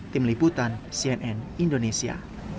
tim liputan cnn indonesia